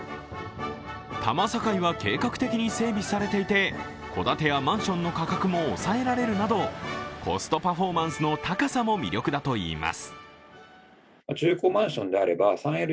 多摩境は計画的に整備されていて戸建てやマンションの価格も抑えられるなどコストパフォーマンスの高さも魅力だといいます。